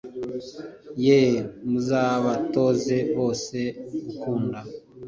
yeee muzabatoze bose gukunda